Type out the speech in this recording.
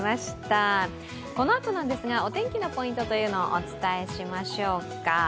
このあとですが、お天気のポイントをお伝えしましょうか。